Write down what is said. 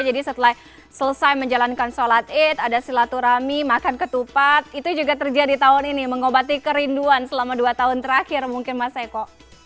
setelah selesai menjalankan sholat id ada silaturahmi makan ketupat itu juga terjadi tahun ini mengobati kerinduan selama dua tahun terakhir mungkin mas eko